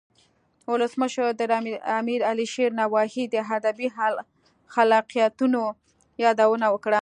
ولسمشر د امیر علي شیر نوایی د ادبی خلاقیتونو یادونه وکړه.